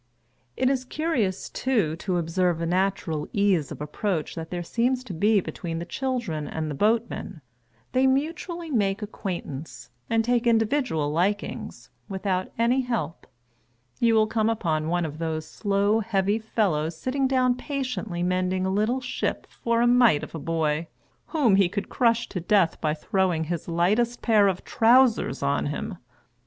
It is curious, too, to observe a natural ease of approach that there seems to be between the children and the boatmen. They mutually make acquaintance, and take individual likings, without any help. You will come upon one of those slow heavy fellows sitting down patiently mending a little ship for a mite of a boy, whom he could crush to death by throwing his lightest pair of trousers on him.